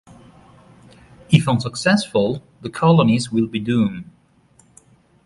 If unsuccessful, the colonies will be doomed.